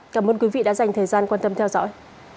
cảm ơn quý vị đã dành thời gian quan tâm theo dõi